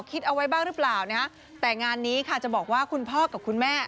คิดเอาไว้บ้างหรือเปล่านะฮะแต่งานนี้ค่ะจะบอกว่าคุณพ่อกับคุณแม่